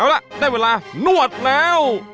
เอาล่ะได้เวลานวดแล้ว